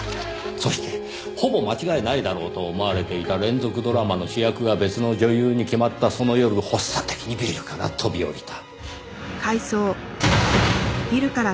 そしてほぼ間違いないだろうと思われていた連続ドラマの主役が別の女優に決まったその夜発作的にビルから飛び降りた。